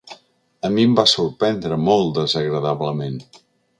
A mi em va sorprendre molt desagradablement.